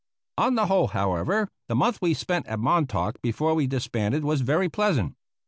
On the whole, however, the month we spent at Montauk before we disbanded was very pleasant.